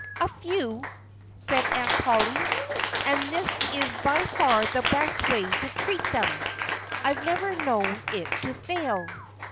"A few!" said Aunt Polly. "And this is by far the best way to treat them. I've never known it to fail."